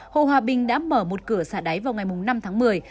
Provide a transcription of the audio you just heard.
hồ hòa bình đã mở một cửa xả đáy vào ngày năm tháng một mươi